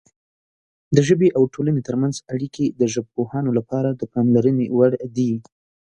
د ژبې او ټولنې ترمنځ اړیکې د ژبپوهانو لپاره د پاملرنې وړ دي.